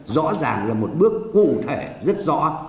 rõ ràng là một bước cụ thể rất rõ